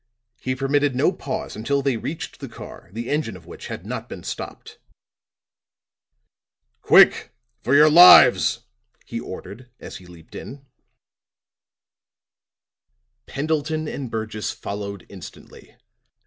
He permitted no pause until they reached the car, the engine of which had not been stopped. "Quick, for your lives!" he ordered, as he leaped in. Pendleton and Burgess followed instantly.